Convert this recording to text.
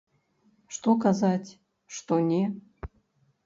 Што казаць, што не?